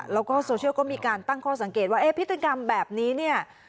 แล้วก็โซเชียลก็มีการตั้งข้อสังเกตว่าพฤติกรรมแบบนี้เนี่ย